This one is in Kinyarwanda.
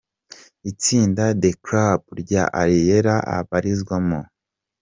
Itsinda The Chrap ryo Ariella abarizwamo.